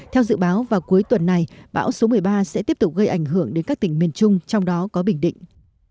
theo dự báo vào cuối tuần này bão số một mươi ba sẽ tiếp tục gây ảnh hưởng đến các tỉnh miền trung trong đó có bình định